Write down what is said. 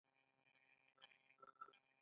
له بده مرغه کله چې کور ته ورسیدل ناوخته و